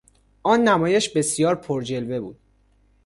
آن نمایش بسیار پرجلوه بود.